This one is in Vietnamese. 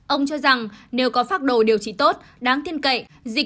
ông cho rằng nếu có phát đồ điều trị tốt đáng thiên cậy